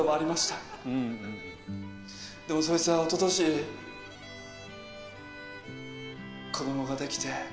でもそいつはおととし子どもが出来て結婚して。